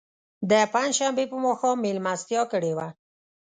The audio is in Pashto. د پنج شنبې په ماښام میلمستیا کړې وه.